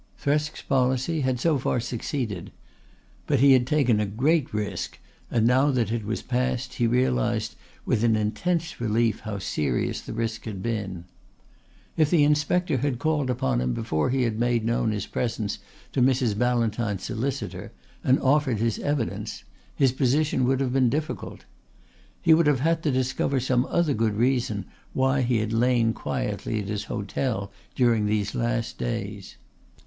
Thresk's policy had so far succeeded. But he had taken a great risk and now that it was past he realised with an intense relief how serious the risk had been. If the Inspector had called upon him before he had made known his presence to Mrs. Ballantyne's solicitor and offered his evidence, his position would have been difficult. He would have had to discover some other good reason why he had lain quietly at his hotel during these last days.